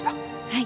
はい。